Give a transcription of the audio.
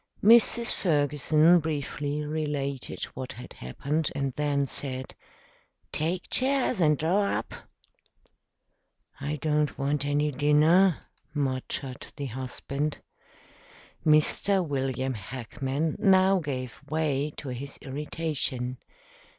Mrs. Ferguson briefly related what had happened, and then said, "Take chairs and draw up." "I don't want any dinner," muttered the husband. Mr. William Hackman now gave way to his irritation.